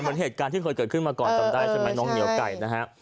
เหมือนเหตุการณ์ที่เคยเกิดขึ้นมาก่อนจำได้ใช่ไหมน้องเหนียวไก่นะฮะ